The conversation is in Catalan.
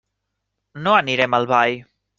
No anirem al ball.